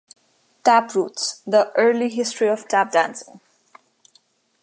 Tap Roots: The Early History of Tap Dancing.